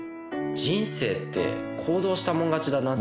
人生って行動したもん勝ちだなって。